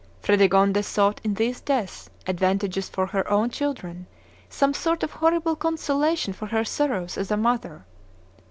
Fredegonde sought in these deaths, advantageous for her own children, some sort of horrible consolation for her sorrows as a mother.